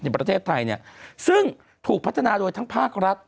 ในประเทศไทยเนี่ยซึ่งถูกพัฒนาโดยทั้งภาครัฐ